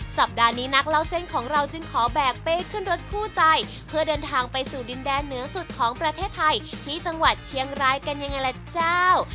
สัปดาห์นี้นักเล่าเส้นของเราจึงขอแบกเป้ขึ้นรถคู่ใจเพื่อเดินทางไปสู่ดินแดนเหนือสุดของประเทศไทยที่จังหวัดเชียงรายกันยังไงล่ะเจ้า